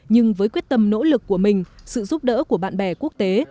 nhưng với quyết tâm nỗ lực của mình sự giúp đỡ của bạn bè quốc tế